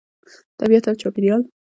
طبیعت او چاپیریال